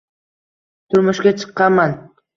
Turmushga chiqqanman.